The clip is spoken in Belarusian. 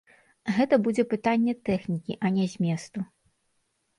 Гэта будзе пытанне тэхнікі, а не зместу.